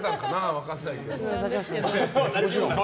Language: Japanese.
分からないけど。